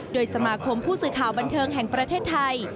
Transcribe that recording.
โดยสมาคมผู้สื่อข่าวบันเทิงแห่งประเทศไทย